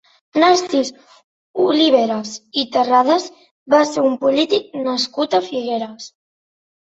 Narcís Oliveres i Terrades va ser un polític nascut a Figueres.